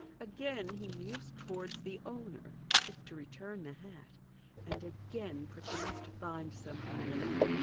Again he moves towards the owner, as if to return the hat, and again pretends to find something in it.